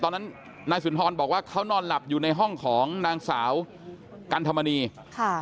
ตอนนั้นนายสุนทรบอกว่าเขานอนหลับอยู่ในห้องของนางสาวกันธรรมนีค่ะ